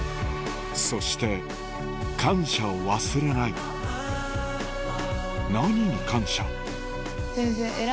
そして感謝を忘れない何に感謝？